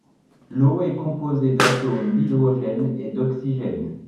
L’eau est composée d’atomes d’hydrogène et d’oxygène.